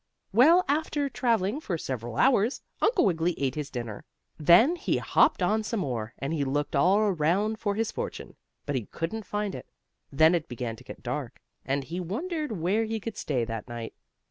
Well, after traveling for several hours, Uncle Wiggily ate his dinner, then he hopped on some more, and he looked all around for his fortune, but he couldn't find it. Then it began to get dark, and he wondered where he could stay that night.